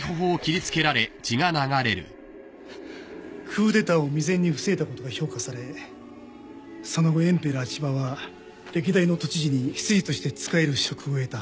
クーデターを未然に防いだことが評価されその後エンペラー千葉は歴代の都知事に執事として仕える職を得た。